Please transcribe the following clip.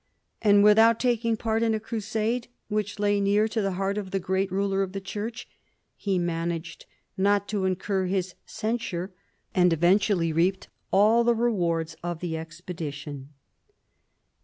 And, without taking part in a crusade which lay near to the heart of the great ruler of the Church, he managed not to incur his censure, and eventually reaped all the rewards of the expedition.